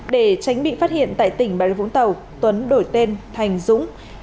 để tránh bị phát hiện tại tỉnh bà rịa vũng tàu tuấn đổi tên thành dũng